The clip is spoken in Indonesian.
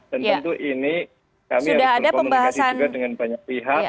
pertama tentu ini kami harus berkomunikasi dengan banyak pihak